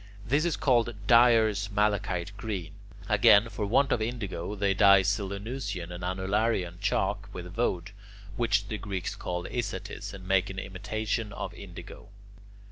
This is called dyer's malachite green. Again, for want of indigo, they dye Selinusian or anularian chalk with woad, which the Greeks call [Greek: isatis], and make an imitation of indigo.